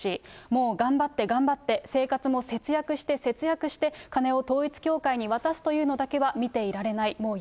もう頑張って頑張って、生活も節約して節約して、金を統一教会に渡すというのだけはもう見ていられない。